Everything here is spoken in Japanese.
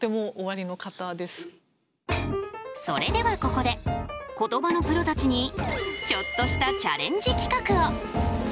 それではここで言葉のプロたちにちょっとしたチャレンジ企画を。